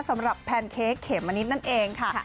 แพนเค้กเขมมะนิดนั่นเองค่ะ